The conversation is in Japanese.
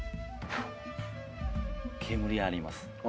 煙あります。